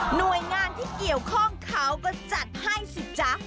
หน่วยงานที่เกี่ยวข้องเขาก็จัดให้สิจ๊ะ